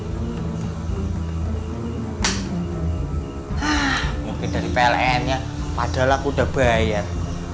hah mungkin dari pln nya padahal aku udah bayar